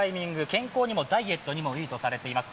健康にもダイエットにもいいとされています。